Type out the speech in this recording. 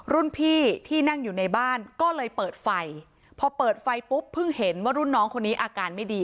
รุ่นพี่ที่นั่งอยู่ในบ้านก็เลยเปิดไฟพอเปิดไฟปุ๊บเพิ่งเห็นว่ารุ่นน้องคนนี้อาการไม่ดี